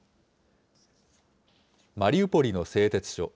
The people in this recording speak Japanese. マリウポリの製鉄所。